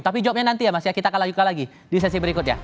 tapi jawabnya nanti ya mas ya kita akan lanjutkan lagi di sesi berikutnya